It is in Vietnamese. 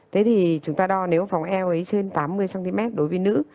thế thì chúng ta đo nếu phòng eo ấy trên tám mươi cm đối với nữ